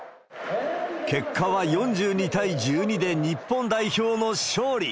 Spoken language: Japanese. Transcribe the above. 結果は４２対１２で日本代表の勝利。